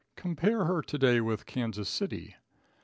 Compare her to day with Kansas City.